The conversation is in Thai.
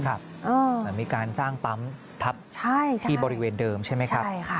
เหมือนมีการสร้างปั๊มพับที่บริเวณเดิมใช่ไหมครับ